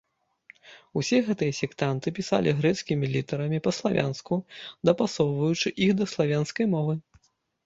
Усе гэтыя сектанты пісалі грэцкімі літарамі па-славянску, дапасоўваючы іх да славянскай мовы.